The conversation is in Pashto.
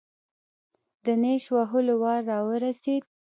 د نېش وهلو وار راورسېد.